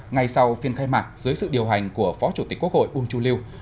ngay sau phiên khai mạc dưới sự điều hành của phó chủ tịch quốc hội uông chu liêu